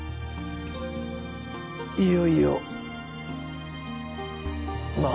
いよいよな。